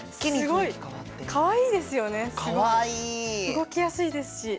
動きやすいですし。